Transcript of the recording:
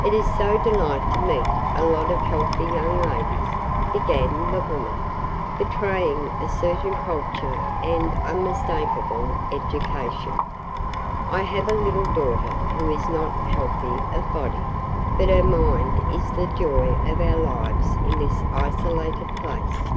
"It is so delightful to meet a lot of healthy young ladies," began the woman, betraying a certain culture and unmistakable education. "I have a little daughter, who is not healthy of body, but her mind is the joy of our lives in this isolated place.